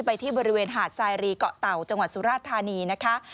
ไปที่บริเวณหาดสายรีเกาะเต่าจังหวัดสุราชธานีนะคะ